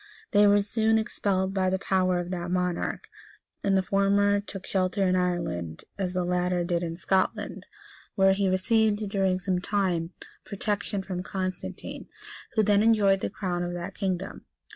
They were soon expelled by the power of that monarch; and the former took shelter in Ireland, as the latter did in Scotland, where he received, during some time, protection from Constantine, who then enjoyed the crown of that kingdom.